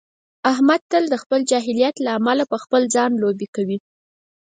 احمد تل د خپل جاهلیت له امله په خپل ځان لوبې کوي.